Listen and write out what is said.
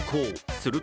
すると